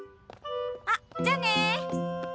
あっじゃあね！